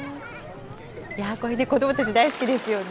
これね、子どもたち大好きですよね。